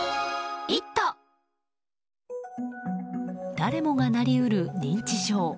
誰もがなり得る認知症。